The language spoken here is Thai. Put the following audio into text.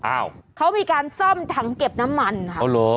อ้าวเขามีการซ่อมถังเก็บน้ำมันค่ะอ๋อเหรอ